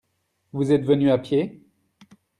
Vous êtes venu à pied ?